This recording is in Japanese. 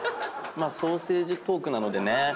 まあソーセージトークなのでね。